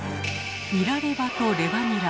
ニラレバとレバニラ。